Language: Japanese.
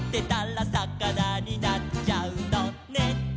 「さかなになっちゃうのね」